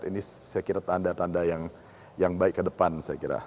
ini saya kira tanda tanda yang baik ke depan saya kira